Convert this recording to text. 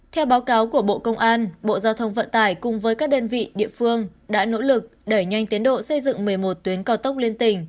theo báo cáo của bộ công an bộ giao thông vận tải cùng với các đơn vị địa phương đã nỗ lực đẩy nhanh tiến độ xây dựng một mươi một tuyến cao tốc liên tỉnh